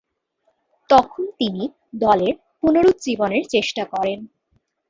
তখন তিনি দলের পুনরুজ্জীবনের চেষ্টা করেন।